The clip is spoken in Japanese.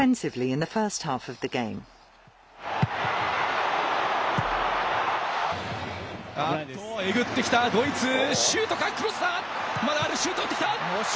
えぐってきた、ドイツ、シュートか、クロスだ、まだある、シュート打ってきた！